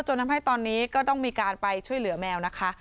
จนทำให้ตอนนี้ก็ต้องมีการไปช่วยเหลือแมวนะคะ